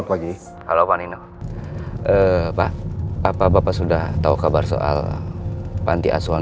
aku mau nyibukkan diri dengan kerja kantor